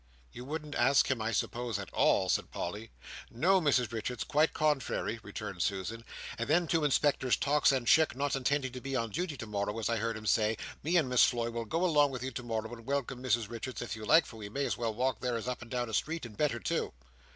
"You wouldn't ask him, I suppose, at all?" said Polly. "No, Mrs Richards, quite contrairy," returned Susan, "and them two inspectors Tox and Chick, not intending to be on duty tomorrow, as I heard 'em say, me and Miss Floy will go along with you tomorrow morning, and welcome, Mrs Richards, if you like, for we may as well walk there as up and down a street, and better too."